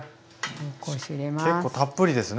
結構たっぷりですね。